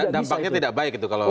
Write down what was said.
dan dampaknya tidak baik itu kalau